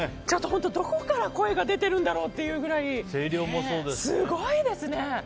本当、どこから声が出てるんだろうってくらいすごいですね。